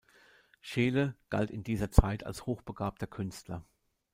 Scheele galt in dieser Zeit als hochbegabter Künstler.